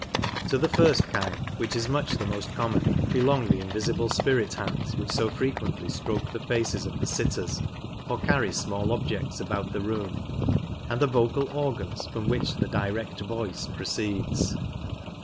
To the first kind, which is much the most common, belong the invisible spirit hands which so frequently stroke the faces of the sitters or carry small objects about the room, and the vocal organs fi*om which the " direct voice " proceeds.